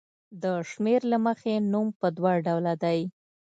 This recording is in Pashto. د شمېر له مخې نوم په دوه ډوله دی.